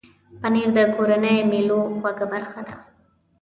پنېر د کورنۍ مېلو خوږه برخه ده.